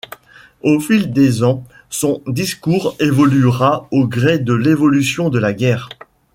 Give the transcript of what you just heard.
Au fil des ans son discours évoluera au gré de l'évolution de la guerre.